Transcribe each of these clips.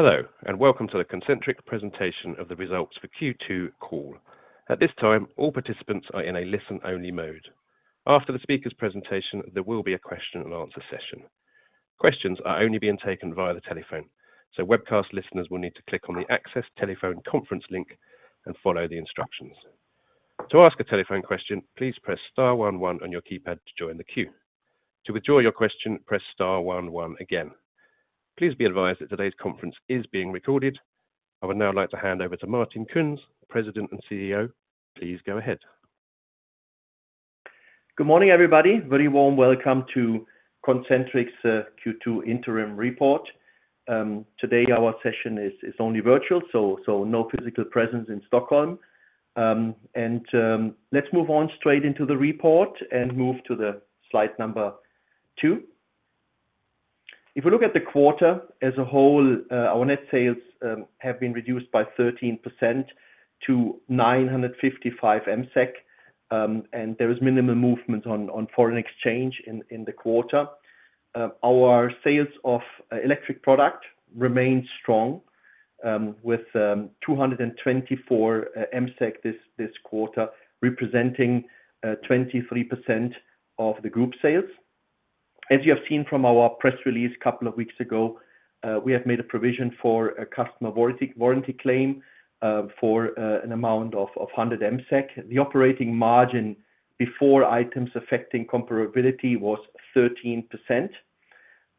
Hello, and welcome to the Concentric presentation of the results for Q2 call. At this time, all participants are in a listen-only mode. After the speaker's presentation, there will be a question and answer session. Questions are only being taken via the telephone, so webcast listeners will need to click on the access telephone conference link and follow the instructions. To ask a telephone question, please press star one one on your keypad to join the queue. To withdraw your question, press star one one again. Please be advised that today's conference is being recorded. I would now like to hand over to Martin Kunz, President and CEO. Please go ahead. Good morning, everybody. Very warm welcome to Concentric's Q2 interim report. Today, our session is only virtual, so no physical presence in Stockholm. Let's move on straight into the report and move to the slide number 2. If you look at the quarter as a whole, our net sales have been reduced by 13% to 955 million, and there is minimum movement on foreign exchange in the quarter. Our sales of electric product remains strong, with 224 million this quarter, representing 23% of the group sales. As you have seen from our press release a couple of weeks ago, we have made a provision for a customer warranty claim, for an amount of 100 million. The operating margin before items affecting comparability was 13%.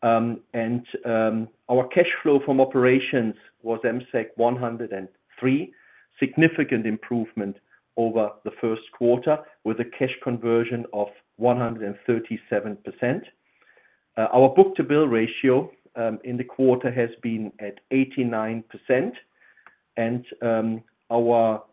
Our cash flow from operations was 103 million. Significant improvement over the first quarter, with a cash conversion of 137%. Our book-to-bill ratio in the quarter has been at 89%, and our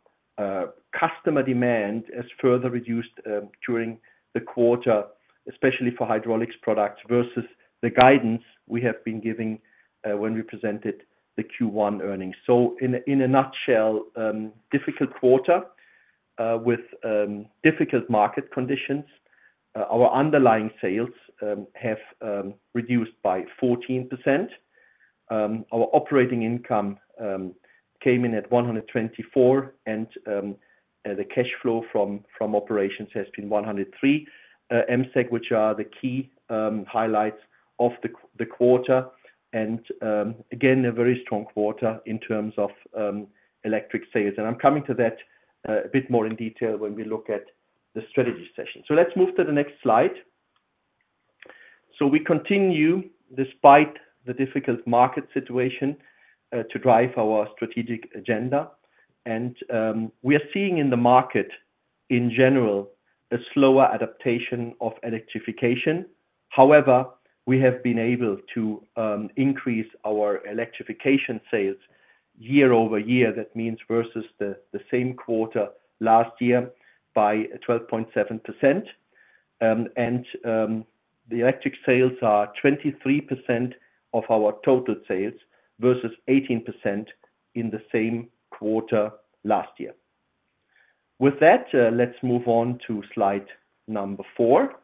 customer demand is further reduced during the quarter, especially for Hydraulics products vs the guidance we have been giving when we presented the Q1 earnings. So in a nutshell, difficult quarter with difficult market conditions. Our underlying sales have reduced by 14%. Our operating income came in at 124 million, and the cash flow from operations has been 103 million, which are the key highlights of the quarter. Again, a very strong quarter in terms of electric sales, and I'm coming to that a bit more in detail when we look at the strategy session. So let's move to the next slide. So we continue, despite the difficult market situation, to drive our strategic agenda and we are seeing in the market, in general, a slower adaptation of electrification. However, we have been able to increase our electrification sales year-over-year. That means vs the same quarter last year by 12.7%. And the electric sales are 23% of our total sales vs 18% in the same quarter last year. With that, let's move on to slide number 4.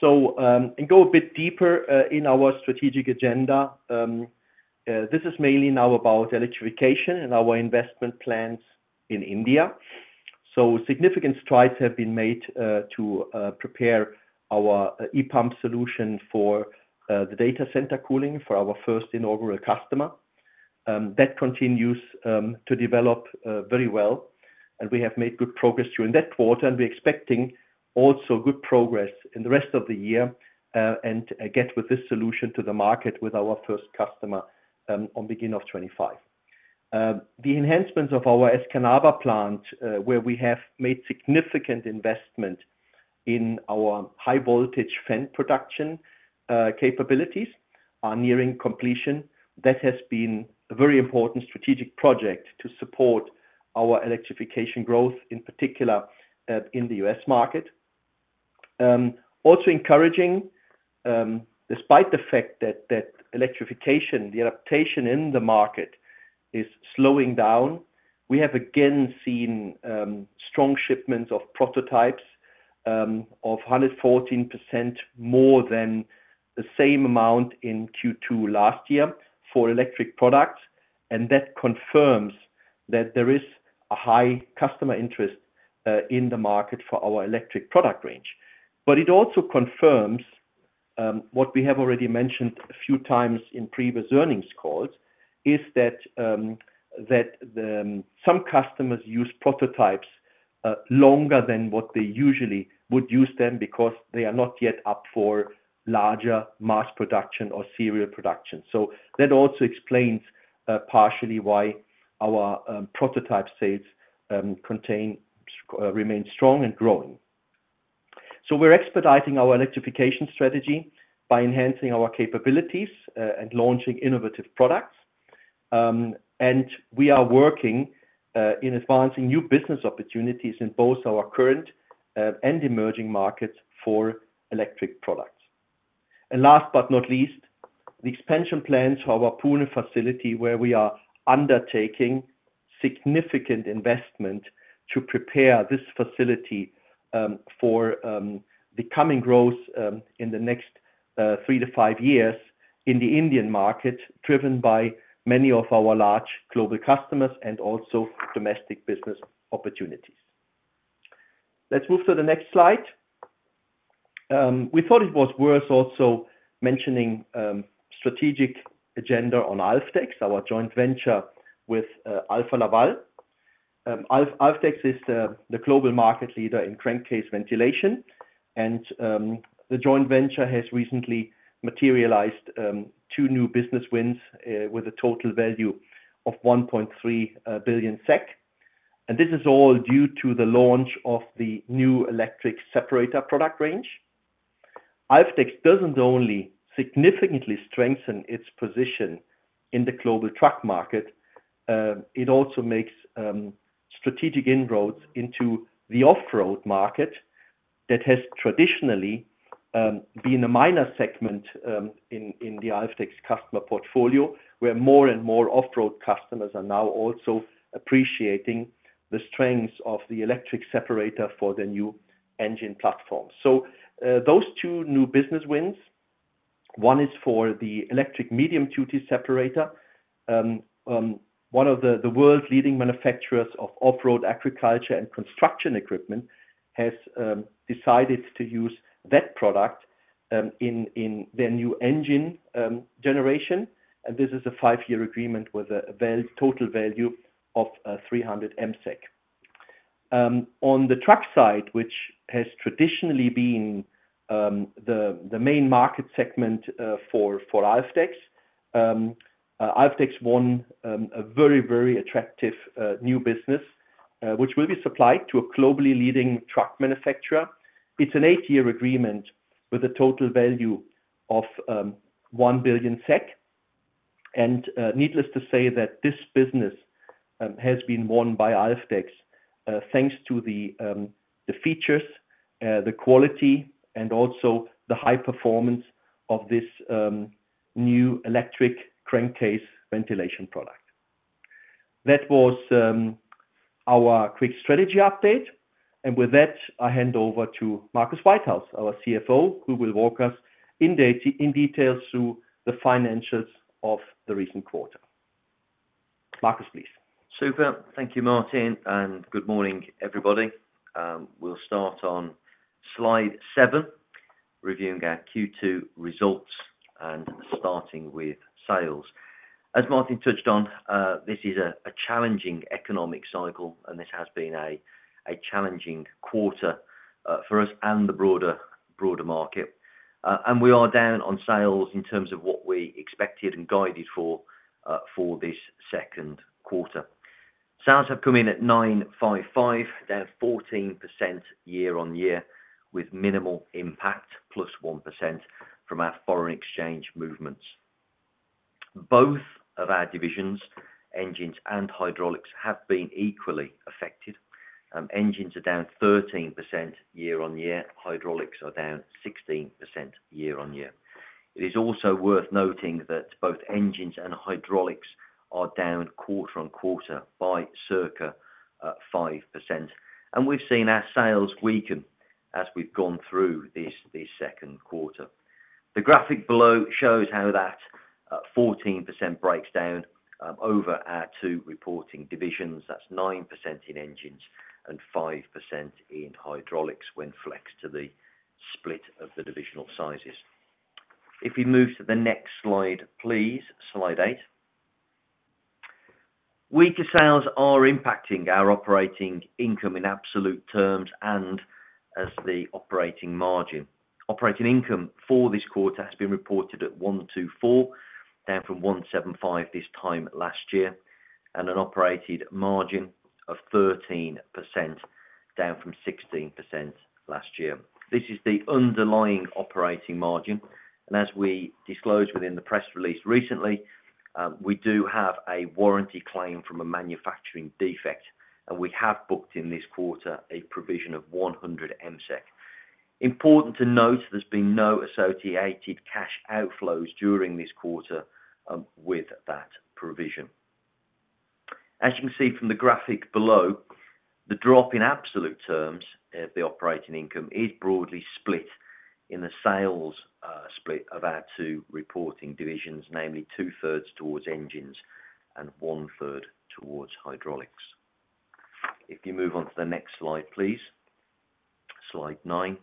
So, go a bit deeper in our strategic agenda. This is mainly now about electrification and our investment plans in India. So significant strides have been made to prepare our e-pump solution for the data center cooling for our first inaugural customer. That continues to develop very well, and we have made good progress during that quarter, and we're expecting also good progress in the rest of the year, and get with this solution to the market with our first customer on beginning of 2025. The enhancements of our Escanaba plant, where we have made significant investment in our high-voltage fans production capabilities, are nearing completion. That has been a very important strategic project to support our electrification growth, in particular, in the U.S. market. Also encouraging, despite the fact that electrification, the adaptation in the market is slowing down, we have again seen strong shipments of prototypes of 114% more than the same amount in Q2 last year for electric products, and that confirms that there is a high customer interest in the market for our electric product range. But it also confirms what we have already mentioned a few times in previous earnings calls, is that some customers use prototypes longer than what they usually would use them, because they are not yet up for larger mass production or serial production. So that also explains partially why our prototype sales remain strong and growing. So we're expediting our electrification strategy by enhancing our capabilities and launching innovative products. And we are working in advancing new business opportunities in both our current and emerging markets for electric products. And last but not least, the expansion plans for our Pune facility, where we are undertaking significant investment to prepare this facility for the coming growth in the next 3-5 years in the Indian market, driven by many of our large global customers and also domestic business opportunities. Let's move to the next slide. We thought it was worth also mentioning strategic agenda on Alfdex, our joint venture with Alfa Laval. Alfdex is the global market leader in crankcase ventilation, and the joint venture has recently materialized two new business wins with a total value of 1.3 billion SEK. This is all due to the launch of the new electric separator product range. Alfdex doesn't only significantly strengthen its position in the global truck market, it also makes strategic inroads into the off-road market that has traditionally been a minor segment in the Alfdex customer portfolio, where more and more off-road customers are now also appreciating the strengths of the electric separator for the new engine platform. Those two new business wins, one is for the electric medium duty separator. One of the world's leading manufacturers of off-road agriculture and construction equipment has decided to use that product in their new engine generation. This is a five-year agreement with a total value of 300 million. On the truck side, which has traditionally been the main market segment for Alfdex, Alfdex won a very, very attractive new business, which will be supplied to a globally leading truck manufacturer. It's an eight-year agreement with a total value of 1 billion SEK. Needless to say that this business has been won by Alfdex thanks to the features, the quality, and also the high performance of this new electric crankcase ventilation product. That was our quick strategy update, and with that, I hand over to Marcus Whitehouse, our CFO, who will walk us in details through the financials of the recent quarter. Marcus, please. Super. Thank you, Martin, and good morning, everybody. We'll start on slide 7, reviewing our Q2 results and starting with sales. As Martin touched on, this is a challenging economic cycle, and this has been a challenging quarter for us and the broader market. And we are down on sales in terms of what we expected and guided for for this second quarter. Sales have come in at 955 million, down 14% year-on-year, with minimal impact +1% from our foreign exchange movements. Both of our divisions, Engines and Hydraulics, have been equally affected. Engines are down 13% year-on-year. Hydraulics are down 16% year-on-year. It is also worth noting that both Engines and Hydraulics are down quarter-on-quarter by circa 5%. We've seen our sales weaken as we've gone through this second quarter. The graphic below shows how that 14% breaks down over our two reporting divisions. That's 9% in Engines and 5% in Hydraulics, when flexed to the split of the divisional sizes. If we move to the next slide, please, slide eight. Weaker sales are impacting our operating income in absolute terms, and as the operating margin. Operating income for this quarter has been reported at 124, down from 175 this time last year, and an operating margin of 13%, down from 16% last year. This is the underlying operating margin, and as we disclosed within the press release recently, we do have a warranty claim from a manufacturing defect, and we have booked in this quarter a provision of 100 million. Important to note, there's been no associated cash outflows during this quarter with that provision. As you can see from the graphic below, the drop in absolute terms of the operating income is broadly split in the sales split of our two reporting divisions, namely 2/3 towards Engines and 1/3 towards Hydraulics. If you move on to the next slide, please, slide nine.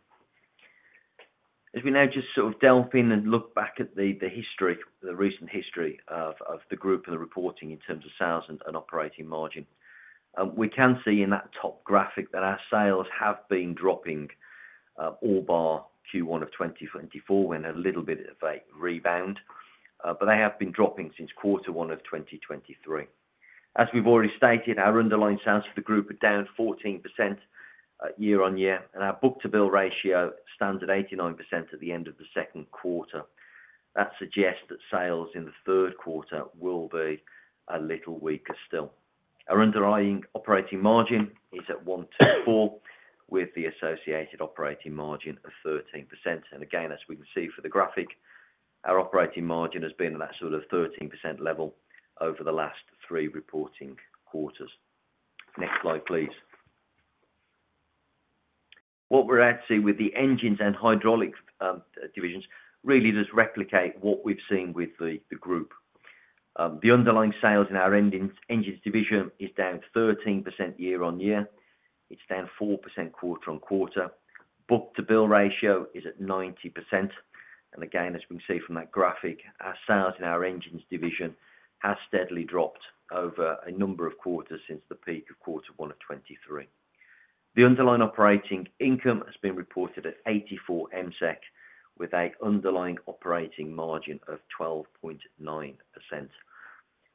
As we now just sort of delve in and look back at the history, the recent history of the group and the reporting in terms of sales and operating margin, we can see in that top graphic that our sales have been dropping all bar Q1 of 2024, when a little bit of a rebound, but they have been dropping since quarter one of 2023. As we've already stated, our underlying sales for the group are down 14% year-on-year, and our book-to-bill ratio stands at 89% at the end of the second quarter. That suggests that sales in the third quarter will be a little weaker still. Our underlying operating margin is at 12.4%, with the associated operating margin of 13%. And again, as we can see from the graphic. Our operating margin has been that sort of 13% level over the last three reporting quarters. Next slide, please. What we're actually with the Engines and Hydraulics divisions really does replicate what we've seen with the group. The underlying sales in our Engines division is down 13% year-on-year. It's down 4% quarter-on-quarter. Book-to-bill ratio is at 90%, and again, as we can see from that graphic, our sales in our Engines division has steadily dropped over a number of quarters since the peak of quarter one of 2023. The underlying operating income has been reported at 84 million, with a underlying operating margin of 12.9%.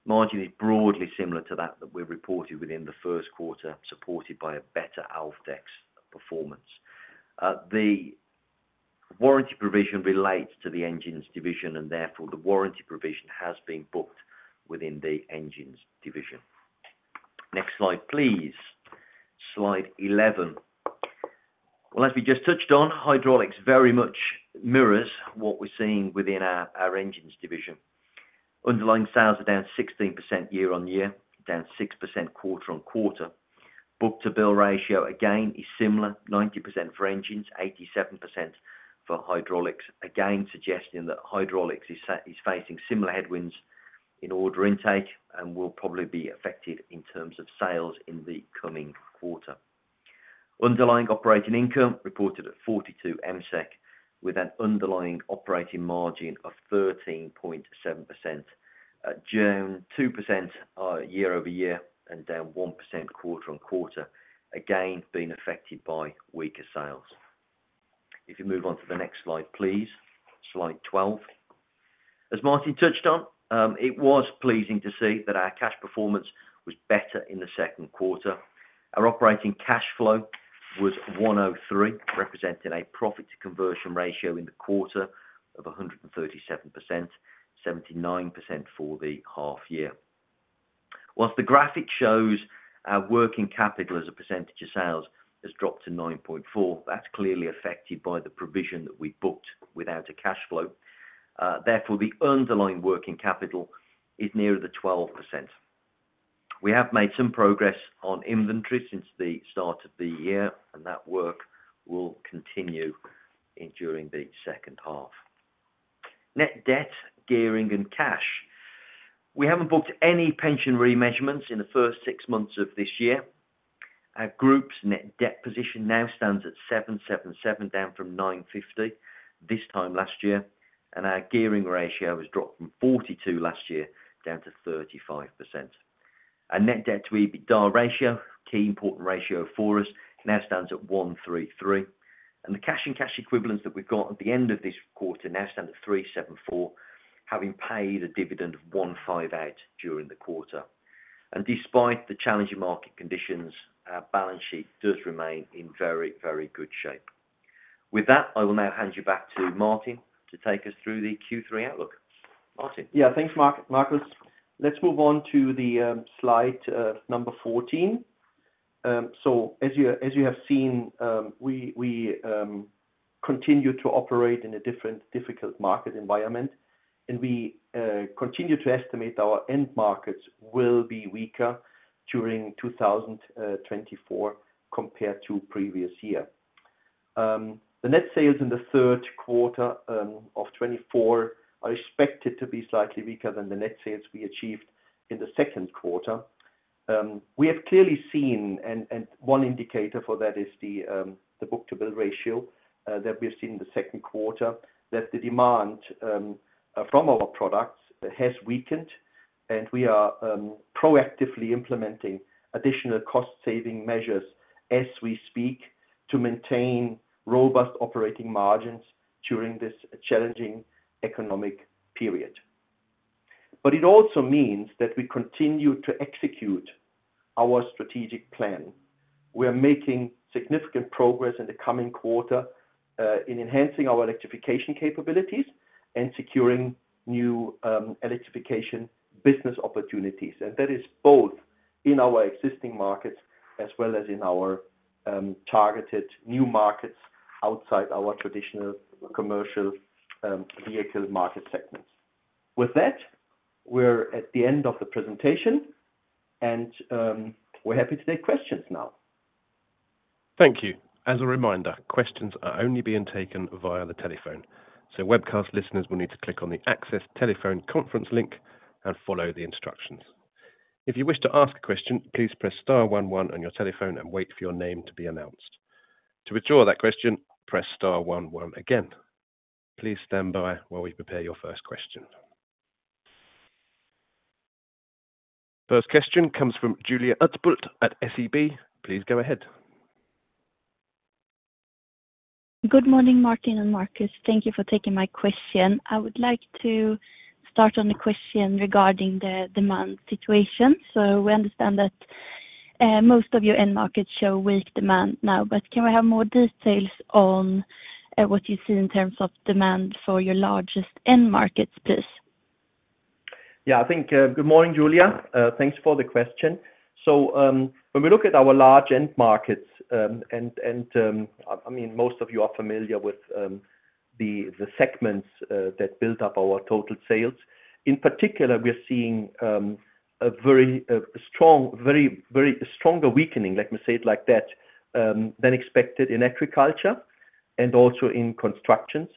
Margin is broadly similar to that, that we reported within the first quarter, supported by a better Alfdex performance. The warranty provision relates to the Engines division, and therefore, the warranty provision has been booked within the Engines division. Next slide, please. Slide 11. Well, as we just touched on, Hydraulics very much mirrors what we're seeing within our, our Engines division. Underlying sales are down 16% year-on-year, down 6% quarter-on-quarter. Book-to-bill ratio, again, is similar, 90% for Engines, 87% for Hydraulics. Again, suggesting that Hydraulics is facing similar headwinds in order intake and will probably be affected in terms of sales in the coming quarter. Underlying operating income reported at 42 million, with an underlying operating margin of 13.7%, down 2%, year-over-year, and down 1% quarter-on-quarter, again, being affected by weaker sales. If you move on to the next slide, please, slide 12. As Martin touched on, it was pleasing to see that our cash performance was better in the second quarter. Our operating cash flow was 103 million, representing a profit conversion ratio in the quarter of 137%, 79% for the half year. While the graphic shows our working capital as a percentage of sales has dropped to 9.4%, that's clearly affected by the provision that we booked without a cash flow. Therefore, the underlying working capital is nearer the 12%. We have made some progress on inventory since the start of the year, and that work will continue during the second half. Net debt, gearing, and cash. We haven't booked any pension remeasurements in the first six months of this year. Our group's net debt position now stands at 777 million, down from 950 million this time last year, and our gearing ratio has dropped from 42% last year down to 35%. Our net debt to EBITDA ratio, key important ratio for us, now stands at 1.33, and the cash and cash equivalents that we've got at the end of this quarter now stand at 374 million, having paid a dividend of 158 million during the quarter. Despite the challenging market conditions, our balance sheet does remain in very, very good shape. With that, I will now hand you back to Martin to take us through the Q3 outlook. Martin? Yeah, thanks, Marcus. Let's move on to the slide number 14. So as you have seen, we continue to operate in a difficult market environment, and we continue to estimate our end markets will be weaker during 2024 compared to previous year. The net sales in the third quarter of 2024 are expected to be slightly weaker than the net sales we achieved in the second quarter. We have clearly seen, and one indicator for that is the book-to-bill ratio that we've seen in the second quarter, that the demand from our products has weakened, and we are proactively implementing additional cost-saving measures as we speak to maintain robust operating margins during this challenging economic period. But it also means that we continue to execute our strategic plan. We are making significant progress in the coming quarter in enhancing our electrification capabilities and securing new electrification business opportunities, and that is both in our existing markets as well as in our targeted new markets outside our traditional commercial vehicle market segments. With that, we're at the end of the presentation, and we're happy to take questions now. Thank you. As a reminder, questions are only being taken via the telephone, so webcast listeners will need to click on the access telephone conference link and follow the instructions. If you wish to ask a question, please press star one one on your telephone and wait for your name to be announced. To withdraw that question, press star one one again. Please stand by while we prepare your first question. First question comes from Julia Utbult at SEB. Please go ahead. Good morning, Martin and Marcus. Thank you for taking my question. I would like to start on the question regarding the demand situation. So we understand that most of your end markets show weak demand now, but can we have more details on what you see in terms of demand for your largest end markets, please? Yeah, I think, good morning, Julia. Thanks for the question. So, when we look at our large end markets, and, and, I mean, most of you are familiar with the segments that build up our total sales. In particular, we're seeing a very strong, very, very stronger weakening, let me say it like that, than expected in agriculture and also in construction.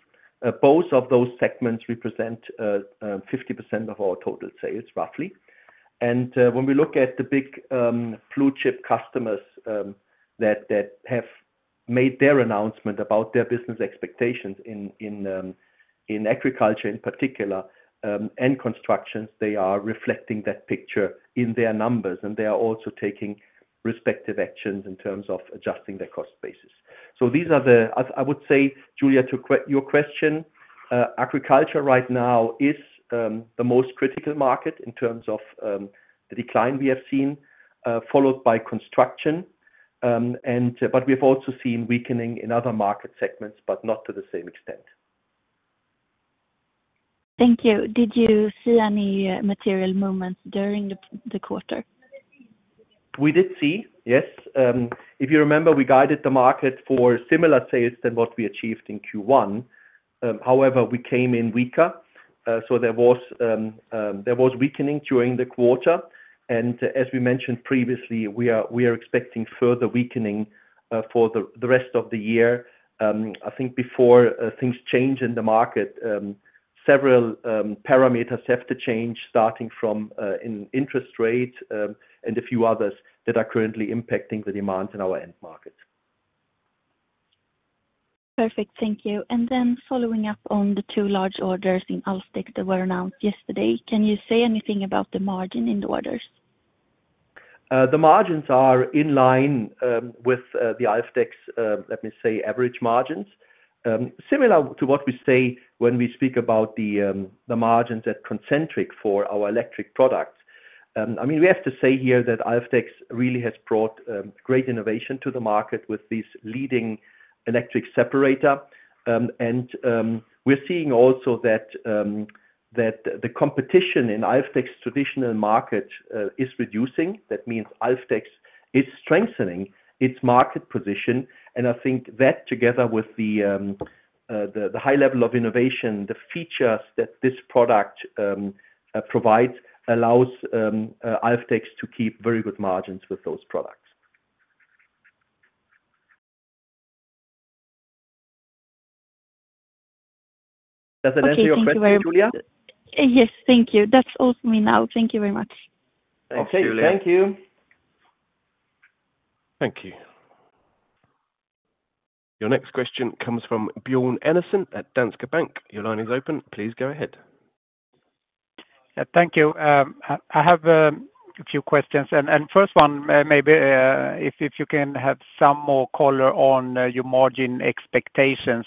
Both of those segments represent 50% of our total sales, roughly. And, when we look at the big blue chip customers that have made their announcement about their business expectations in agriculture, in particular, and construction, they are reflecting that picture in their numbers, and they are also taking respective actions in terms of adjusting their cost basis. So these are, as I would say, Julia, to your question, agriculture right now is the most critical market in terms of the decline we have seen, followed by construction. And but we've also seen weakening in other market segments, but not to the same extent. Thank you. Did you see any material moments during the quarter? We did see, yes. If you remember, we guided the market for similar sales than what we achieved in Q1. However, we came in weaker. So there was weakening during the quarter, and as we mentioned previously, we are expecting further weakening for the rest of the year. I think before things change in the market, several parameters have to change, starting from in interest rates, and a few others that are currently impacting the demand in our end market. Perfect. Thank you. And then following up on the two large orders in Alfdex that were announced yesterday, can you say anything about the margin in the orders? The margins are in line with the Alfdex's, let me say, average margins. Similar to what we say when we speak about the margins at Concentric for our electric products. I mean, we have to say here that Alfdex really has brought great innovation to the market with this leading electric separator. And we're seeing also that the competition in Alfdex's traditional market is reducing. That means Alfdex is strengthening its market position, and I think that together with the high level of innovation, the features that this product provides, allows Alfdex to keep very good margins with those products. Does that answer your question, Julia? Okay. Thank you very- Yes, thank you. That's all for me now. Thank you very much. Thanks, Julia. Okay. Thank you. Thank you. Your next question comes from Björn Enarson at Danske Bank. Your line is open. Please go ahead. Yeah, thank you. I have a few questions, and first one, maybe if you can have some more color on your margin expectations.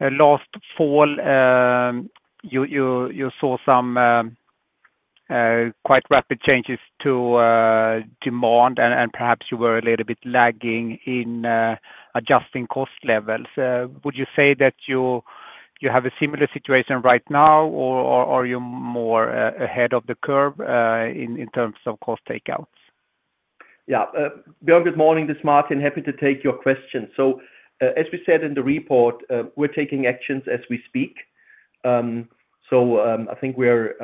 Last fall, you saw some quite rapid changes to demand, and perhaps you were a little bit lagging in adjusting cost levels. Would you say that you have a similar situation right now, or are you more ahead of the curve in terms of cost takeouts? Yeah. Björn, good morning, this is Martin. Happy to take your questions. So, as we said in the report, we're taking actions as we speak. So, I think we're,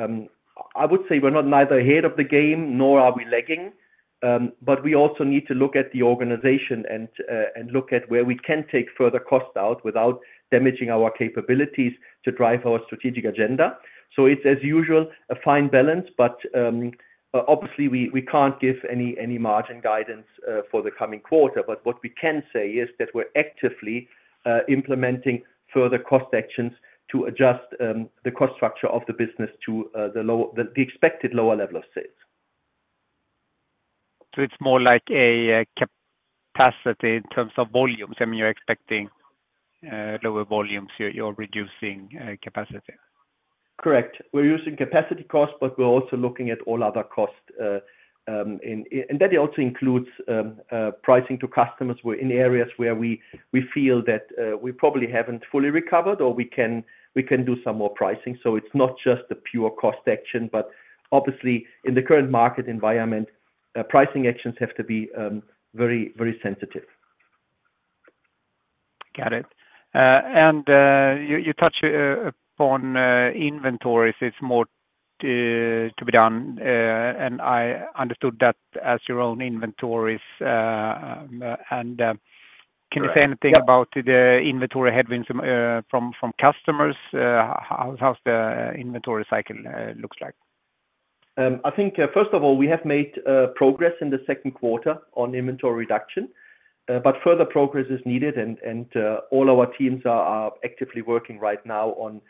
I would say we're not neither ahead of the game, nor are we lagging. But we also need to look at the organization and, and look at where we can take further costs out without damaging our capabilities to drive our strategic agenda. So it's, as usual, a fine balance, but, obviously we, we can't give any, any margin guidance, for the coming quarter. But what we can say is that we're actively, implementing further cost actions to adjust, the cost structure of the business to, the low- the, the expected lower level of sales. So it's more like a capacity in terms of volumes. I mean, you're expecting lower volumes, you're reducing capacity? Correct. We're using capacity costs, but we're also looking at all other costs, and that also includes pricing to customers where, in areas where we feel that we probably haven't fully recovered, or we can do some more pricing. So it's not just the pure cost action, but obviously in the current market environment, pricing actions have to be very, very sensitive. Got it. And you touched upon inventories. It's more to be done, and I understood that as your own inventories, and- Correct. Can you say anything about the inventory headwinds from customers? How's the inventory cycle look like? I think, first of all, we have made progress in the second quarter on inventory reduction, but further progress is needed, and all our teams are actively working right now on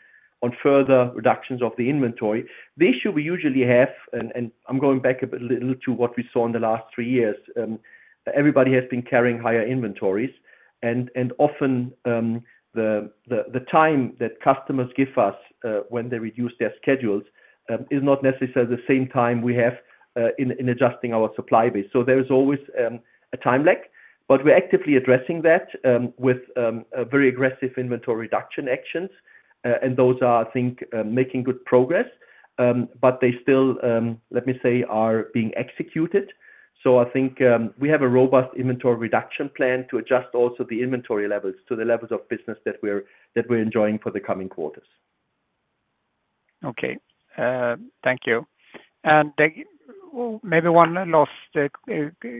further reductions of the inventory. The issue we usually have, and I'm going back a bit, little to what we saw in the last three years, everybody has been carrying higher inventories. And often, the time that customers give us, when they reduce their schedules, is not necessarily the same time we have in adjusting our supply base. So there is always a time lag. But we're actively addressing that, with a very aggressive inventory reduction actions, and those are, I think, making good progress... but they still, let me say, are being executed. I think we have a robust inventory reduction plan to adjust also the inventory levels to the levels of business that we're enjoying for the coming quarters. Okay. Thank you. Well, maybe one last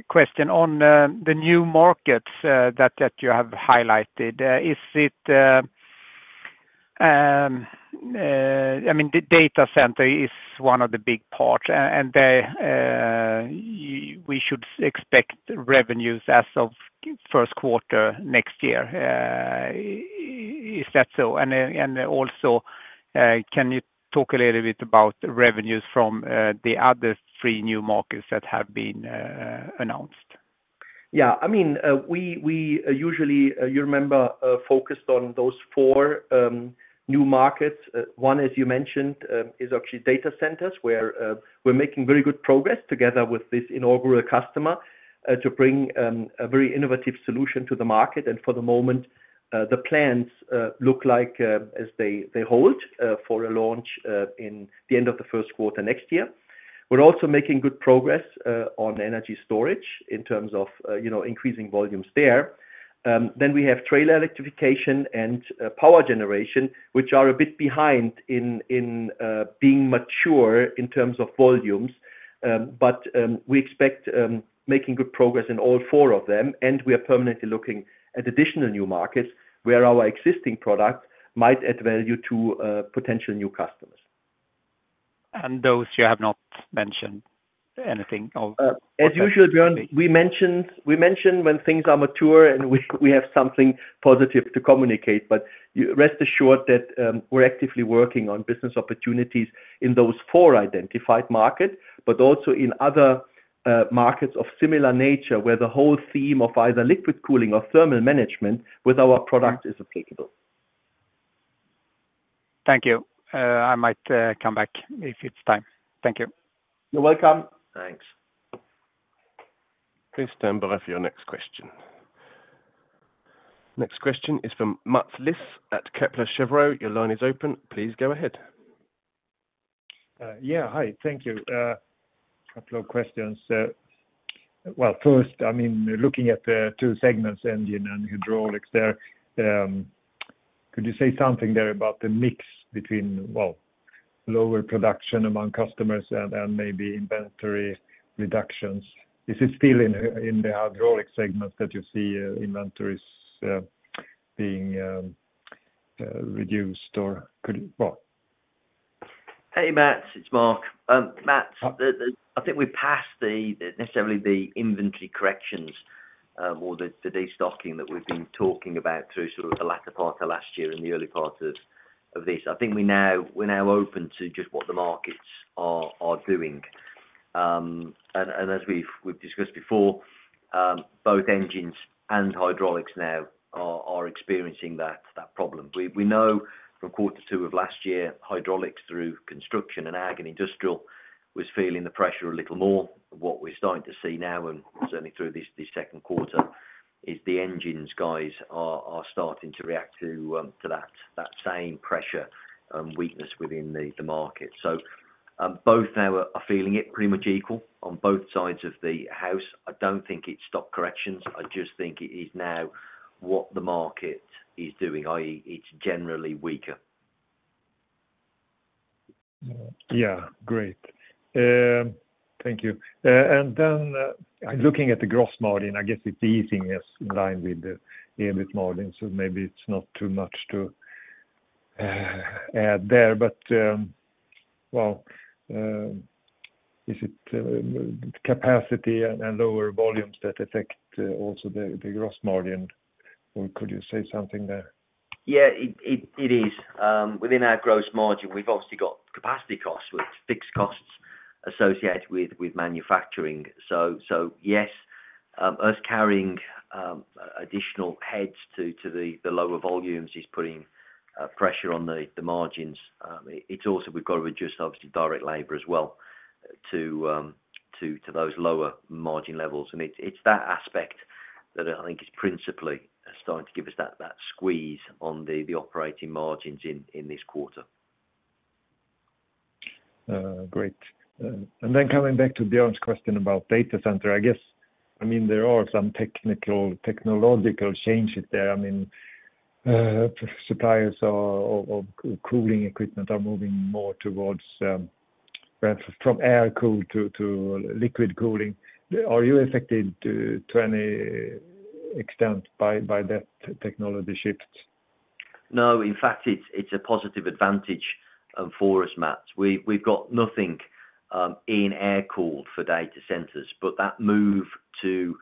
question on the new markets that you have highlighted. Is it, I mean, the data center is one of the big parts, and we should expect revenues as of first quarter next year. Is that so? And also, can you talk a little bit about the revenues from the other three new markets that have been announced? Yeah. I mean, we usually, you remember, focused on those four new markets. One, as you mentioned, is actually data centers, where we're making very good progress together with this inaugural customer to bring a very innovative solution to the market. And for the moment, the plans look like, as they hold, for a launch in the end of the first quarter next year. We're also making good progress on energy storage in terms of, you know, increasing volumes there. Then we have trailer electrification and power generation, which are a bit behind in being mature in terms of volumes. But we expect making good progress in all four of them, and we are permanently looking at additional new markets, where our existing product might add value to potential new customers. Those you have not mentioned anything of? As usual, Björn, we mention, we mention when things are mature and we, we have something positive to communicate. But rest assured that, we're actively working on business opportunities in those four identified market, but also in other, markets of similar nature, where the whole theme of either liquid cooling or thermal management with our product is applicable. Thank you. I might come back if it's time. Thank you. You're welcome. Thanks. Please stand by for your next question. Next question is from Mats Liss at Kepler Cheuvreux. Your line is open, please go ahead. Yeah, hi. Thank you. A couple of questions. Well, first, I mean, looking at the two segments, Engine and Hydraulics there, could you say something there about the mix between, well, lower production among customers and, and maybe inventory reductions? Is it still in, in the Hydraulic segment that you see, inventories, being, reduced, or could... Well? Hey, Mats, it's Marc. Mats, I think we're past the necessary inventory corrections or the destocking that we've been talking about through sort of the latter part of last year and the early part of this. I think we're now open to just what the markets are doing. And as we've discussed before, both Engines and Hydraulics now are experiencing that problem. We know from quarter two of last year, Hydraulics through construction and ag and industrial was feeling the pressure a little more. What we're starting to see now, and certainly through this second quarter, is the Engines guys are starting to react to that same pressure, weakness within the market. So, both now are feeling it pretty much equal on both sides of the house. I don't think it's stock corrections, I just think it is now what the market is doing, i.e., it's generally weaker. Yeah. Great. Thank you. And then, looking at the gross margin, I guess it's the easiest in line with the EBIT margin, so maybe it's not too much to add there. But, well, is it capacity and lower volumes that affect also the gross margin, or could you say something there? Yeah, it is. Within our gross margin, we've obviously got capacity costs, which are fixed costs associated with manufacturing. So yes, us carrying additional heads to the lower volumes is putting pressure on the margins. It's also, we've got to reduce obviously direct labor as well to those lower margin levels. And it's that aspect that I think is principally starting to give us that squeeze on the operating margins in this quarter. Great. And then coming back to Björn's question about data center, I guess, I mean, there are some technical, technological changes there. I mean, suppliers are, of cooling equipment are moving more towards, perhaps from air cool to liquid cooling. Are you affected to any extent by that technology shift? No. In fact, it's a positive advantage for us, Mats. We've got nothing in air cool for data centers, but that move to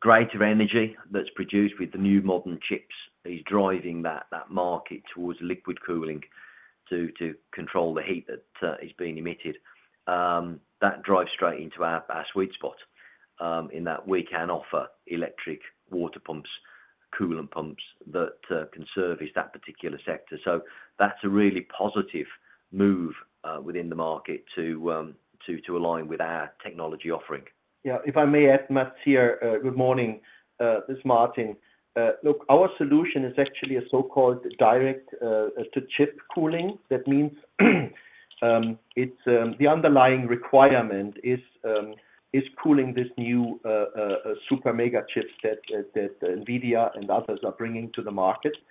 greater energy that's produced with the new modern chips is driving that market towards liquid cooling to control the heat that is being emitted. That drives straight into our sweet spot in that we can offer electric water pumps, coolant pumps, that can service that particular sector. So that's a really positive move within the market to align with our technology offering. Yeah, if I may add, Mats, here. Good morning, this is Martin. Look, our solution is actually a so-called direct-to-chip cooling. That means it's the underlying requirement is cooling this new super mega chips that NVIDIA and others are bringing to the market. And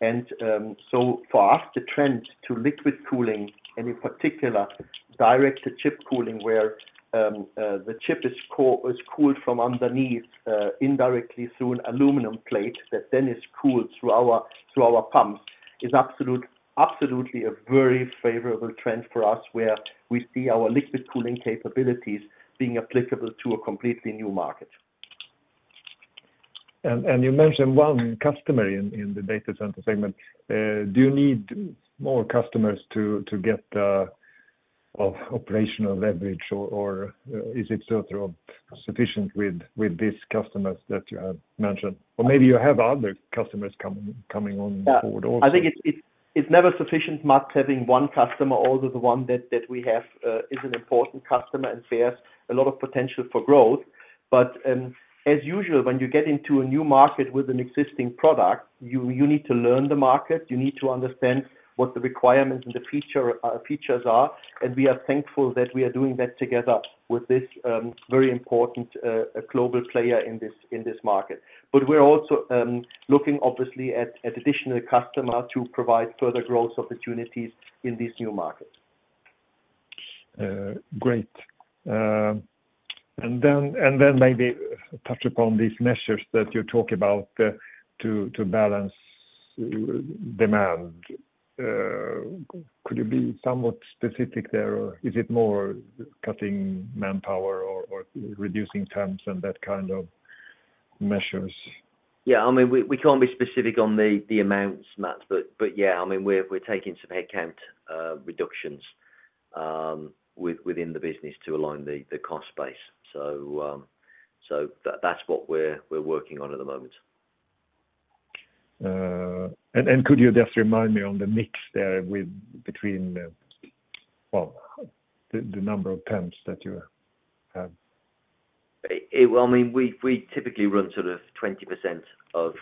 so for us, the trend to liquid cooling and in particular, direct-to-chip cooling, where the chip is cooled from underneath indirectly through an aluminum plate, that then is cooled through our pumps, is absolutely a very favorable trend for us, where we see our liquid cooling capabilities being applicable to a completely new market. You mentioned one customer in the data center segment. Do you need more customers to get of operational leverage? Or is it sort of sufficient with these customers that you have mentioned? Or maybe you have other customers coming on board also. I think it's never sufficient, Mats, having one customer, although the one that we have is an important customer and there's a lot of potential for growth. But as usual, when you get into a new market with an existing product, you need to learn the market, you need to understand what the requirements and the features are. And we are thankful that we are doing that together with this very important global player in this market. But we're also looking obviously at additional customer to provide further growth opportunities in this new market. Great. And then maybe touch upon these measures that you talk about, to balance demand. Could you be somewhat specific there, or is it more cutting manpower or reducing temps and that kind of measures? Yeah, I mean, we can't be specific on the amounts, Mats, but yeah, I mean, we're taking some headcount reductions within the business to align the cost base. So, that's what we're working on at the moment. Could you just remind me on the mix there with between, well, the number of temps that you have? I, well, I mean, we typically run sort of 20% of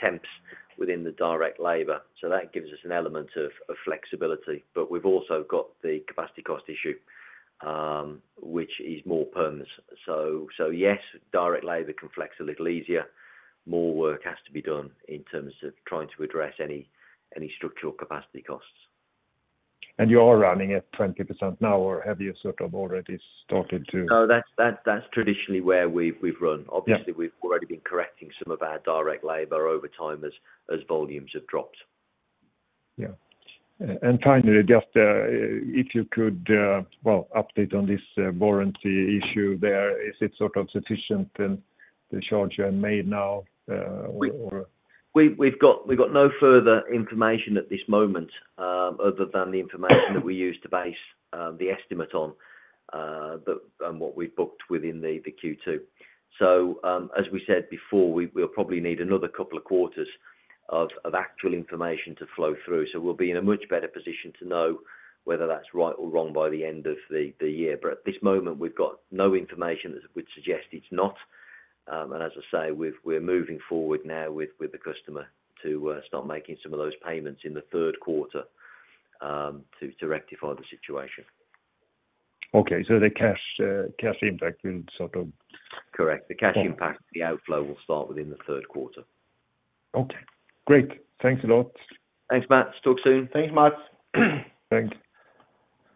temps within the direct labor, so that gives us an element of flexibility. But we've also got the capacity cost issue, which is more perms. So yes, direct labor can flex a little easier. More work has to be done in terms of trying to address any structural capacity costs. You are running at 20% now or have you sort of already started to? No, that's traditionally where we've run. Yeah. Obviously, we've already been correcting some of our direct labor over time as volumes have dropped. Yeah. And finally, just, if you could, well, update on this warranty issue there. Is it sort of sufficient in the charge you have made now, or? We've got no further information at this moment, other than the information that we use to base the estimate on, what we've booked within the Q2. So, as we said before, we'll probably need another couple of quarters of actual information to flow through. So we'll be in a much better position to know whether that's right or wrong by the end of the year. But at this moment, we've got no information that would suggest it's not. And as I say, we're moving forward now with the customer to start making some of those payments in the third quarter, to rectify the situation. Okay, so the cash impact will sort of- Correct. Okay. The cash impact, the outflow, will start within the third quarter. Okay, great. Thanks a lot. Thanks, Mats. Talk soon. Thanks, Mats. Thanks.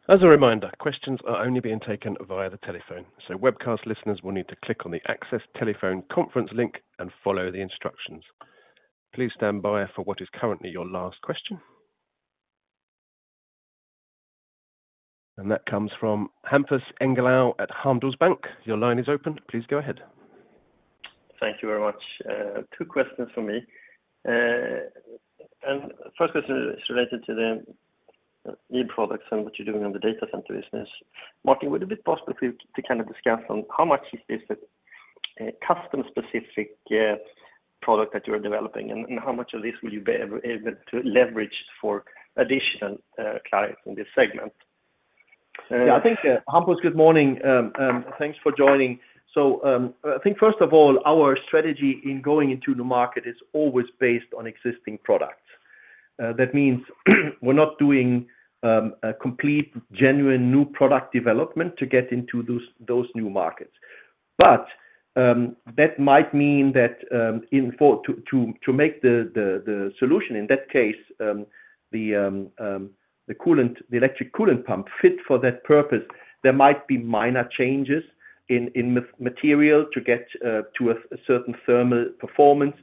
As a reminder, questions are only being taken via the telephone, so webcast listeners will need to click on the access telephone conference link and follow the instructions. Please stand by for what is currently your last question. That comes from Hampus Engellau at Handelsbanken. Your line is open, please go ahead. Thank you very much. Two questions for me. First question is related to the new products and what you're doing on the data center business. Martin, would it be possible for you to kind of discuss on how much is this a custom specific product that you are developing, and how much of this will you be able to leverage for additional clients in this segment? Yeah, I think, Hampus, good morning. Thanks for joining. So, I think first of all, our strategy in going into the market is always based on existing products. That means we're not doing a complete, genuine, new product development to get into those new markets. But that might mean that to make the solution in that case, the coolant, the electric coolant pump fit for that purpose, there might be minor changes in material to get to a certain thermal performance.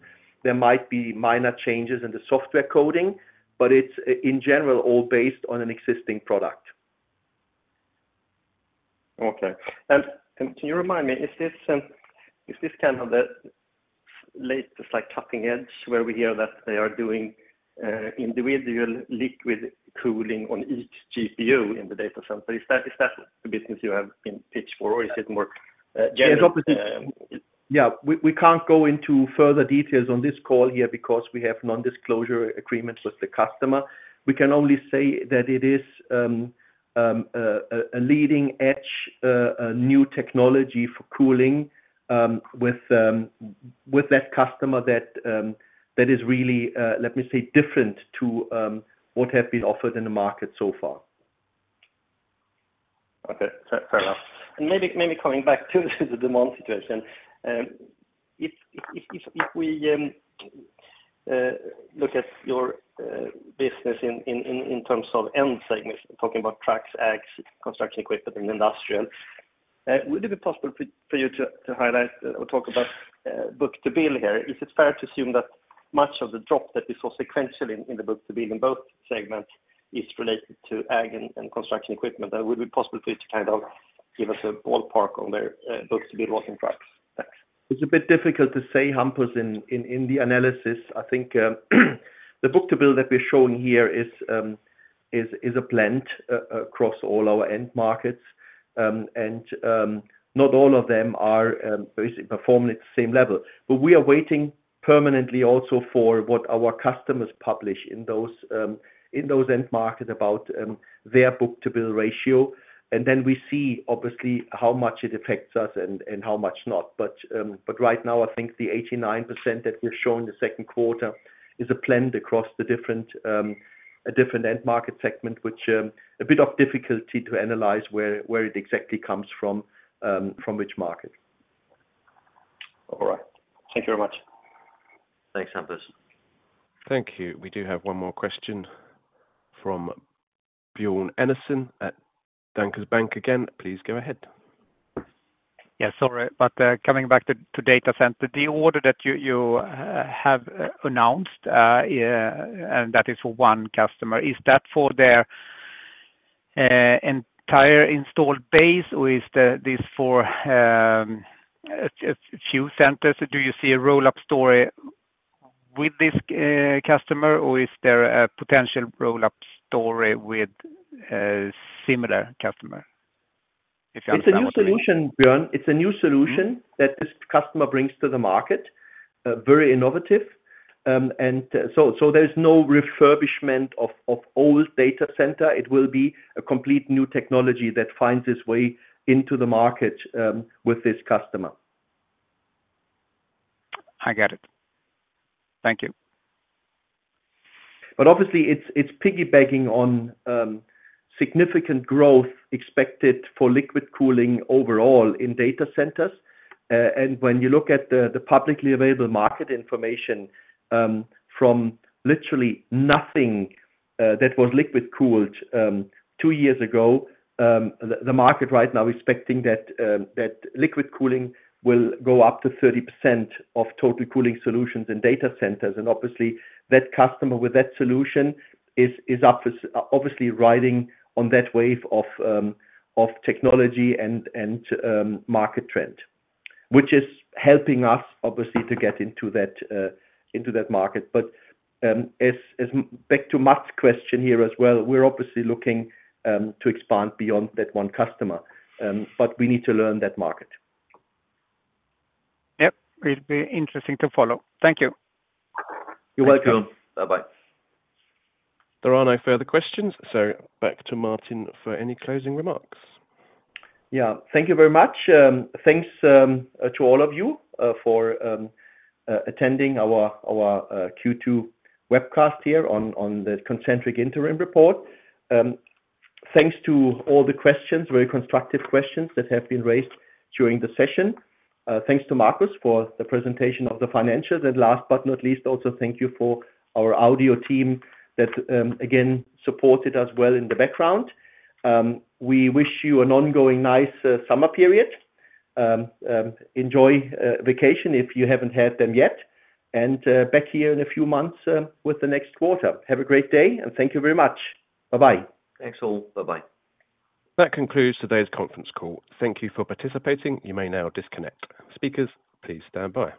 There might be minor changes in the software coding, but it's in general, all based on an existing product. Okay. And, and can you remind me, is this kind of the latest, like, cutting edge, where we hear that they are doing individual liquid cooling on each GPU in the data center? Is that, is that the business you have been pitched for, or is it more general? Yeah, we can't go into further details on this call here because we have non-disclosure agreements with the customer. We can only say that it is a leading-edge, a new technology for cooling with that customer that is really, let me say, different to what has been offered in the market so far. Okay, fair, fair enough. And maybe coming back to the demand situation. If we look at your business in terms of end segments, talking about trucks, ags, construction equipment, and industrial, would it be possible for you to highlight or talk about book-to-bill here? Is it fair to assume that much of the drop that we saw sequentially in the book-to-bill in both segments is related to ag and construction equipment? And would it be possible for you to kind of give us a ballpark on the book-to-bill what in trucks? Thanks. It's a bit difficult to say, Hampus, in the analysis. I think the book-to-bill that we're showing here is a blend across all our end markets. And not all of them are basically performing at the same level. But we are waiting permanently also for what our customers publish in those end markets about their book-to-bill ratio. And then we see obviously how much it affects us and how much not. But right now, I think the 89% that we're showing the second quarter is a blend across the different end market segment, which a bit of difficulty to analyze where it exactly comes from, from which market. All right. Thank you very much. Thanks, Hampus. Thank you. We do have one more question from Björn Enarson at Danske Bank again. Please go ahead. Yeah, sorry, but coming back to data center, the order that you have announced, yeah, and that is for one customer, is that for their entire installed base or is this for a few centers? Do you see a roll-up story with this customer or is there a potential roll-up story with a similar customer? If you understand my- It's a new solution, Björn. It's a new solution- Mm-hmm. that this customer brings to the market, very innovative. And so, so there's no refurbishment of old data center. It will be a complete new technology that finds its way into the market with this customer. I get it. Thank you. But obviously, it's piggybacking on significant growth expected for liquid cooling overall in data centers. And when you look at the publicly available market information, from literally nothing that was liquid-cooled two years ago, the market right now expecting that liquid cooling will go up to 30% of total cooling solutions in data centers. And obviously, that customer with that solution is obviously riding on that wave of technology and market trend, which is helping us, obviously, to get into that market. But as back to Mats question here as well, we're obviously looking to expand beyond that one customer, but we need to learn that market. Yep. It'll be interesting to follow. Thank you. You're welcome. Bye-bye. There are no further questions, so back to Martin for any closing remarks. Yeah. Thank you very much. Thanks to all of you for attending our Q2 webcast here on the Concentric interim report. Thanks to all the questions, very constructive questions that have been raised during the session. Thanks to Marcus for the presentation of the financials. And last but not least, also thank you for our audio team that again supported us well in the background. We wish you an ongoing nice summer period. Enjoy vacation if you haven't had them yet. And back here in a few months with the next quarter. Have a great day, and thank you very much. Bye-bye. Thanks, all. Bye-bye. That concludes today's conference call. Thank you for participating. You may now disconnect. Speakers, please stand by.